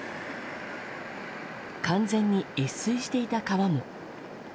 完全に越水していた川も。